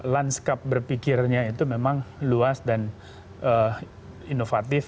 lanskap berpikirnya itu memang luas dan inovatif